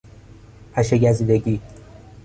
پشه گزیدگی